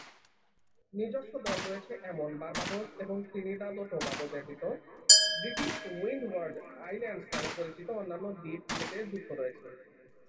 নিজস্ব দল রয়েছে এমন বার্বাডোস এবং ত্রিনিদাদ ও টোবাগো ব্যতীত ব্রিটিশ উইন্ডওয়ার্ড আইল্যান্ডস নামে পরিচিত অন্যান্য দ্বীপ এতে যুক্ত রয়েছে।